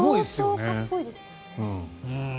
すごいですよね。